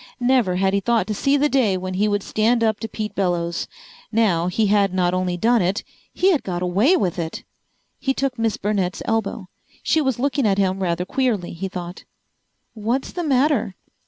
Never had he thought to see the day when he would stand up to Pete Bellows. Now he had not only done it, he had got away with it! He took Miss Burnett's elbow. She was looking at him rather queerly, he thought. "What's the matter?"